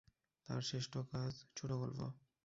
তাঁর শ্রেষ্ঠ কাজ ছোটগল্প।